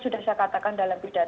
sudah saya katakan dalam